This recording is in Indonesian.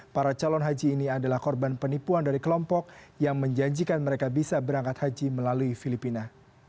para calon haji ini adalah korban penipuan dari kelompok yang menjanjikan mereka bisa berangkat haji melalui filipina